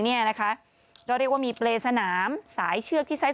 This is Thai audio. เราเรียกว่ามีเปรย์สนามสายเชือกที่ไซส์